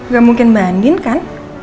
gak mungkin mbak andin kan